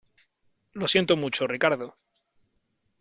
lo siento mucho , Ricardo .